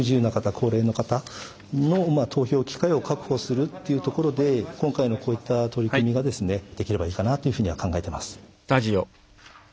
高齢の方の投票機会を確保するというところで今回のこういった取り組みができればいいかなというふうには考えています。